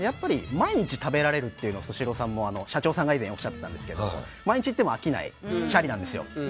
毎日食べられるというのがスシローさんの社長さんが以前おっしゃってたんですけど毎日行っても飽きないシャリなんですよ。